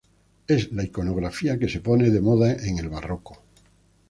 Es la iconografía que se pone de moda en el Barroco.